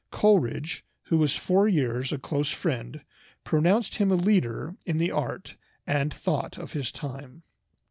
Coleridge, who was for years a close friend, pronounced him a leader in the art and thought of his time.